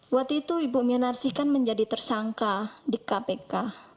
waktu itu ibu minarsi kan menjadi tersangka di kpk